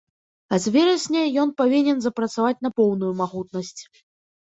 А з верасня ён павінен запрацаваць на поўную магутнасць.